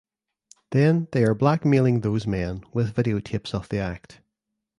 Then they are blackmailing those men with videotapes of the act.